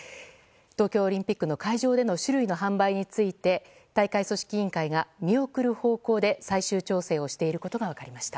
東京オリンピックの会場での酒類の販売について大会組織委員会が見送る方向で最終調整をしていることが分かりました。